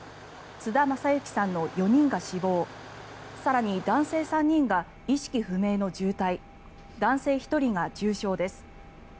津田正行さんの４人が死亡更に、男性３人が意識不明の重体男性１人が重傷です。